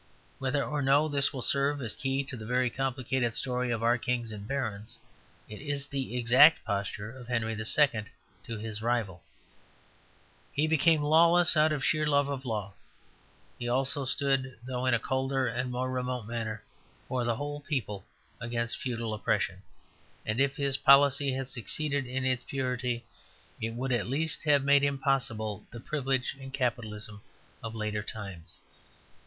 Whether or no this will serve as a key to the very complicated story of our kings and barons, it is the exact posture of Henry II. to his rival. He became lawless out of sheer love of law. He also stood, though in a colder and more remote manner, for the whole people against feudal oppression; and if his policy had succeeded in its purity, it would at least have made impossible the privilege and capitalism of later times.